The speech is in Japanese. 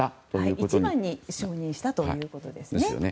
一番に承認したということですね。